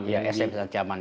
iya sms ancaman